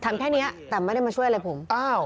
ทำแค่นี้แต่ไม่ได้มาช่วยอะไรผม